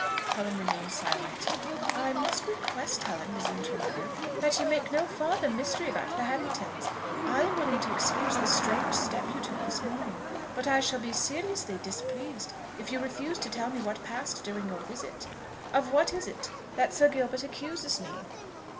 Helen remained silent. "I must request, Helen," resumed her mother, "that you make no farther mystery about the Harringtons. I am willing to excuse the strange step you took this morning; but I shall be seriously displeased if you refuse to tell me what passed during your visit. Of what is it that Sir Gilbert accuses me?"